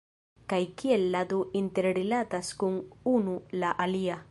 Kaj kiel la du interrilatas kun unu la alia